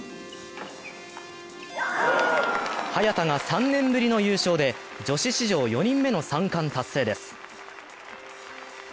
早田が３年ぶりの優勝で女子史上４人目の３冠達成です。